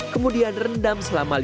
kemudian rendam selama sehari